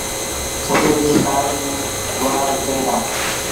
سڄو ڏيݩهݩ ڪآڙي ميݩ گُوآر وڪڻيٚن دآ